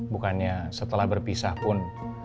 bukannya setelah berpisah pun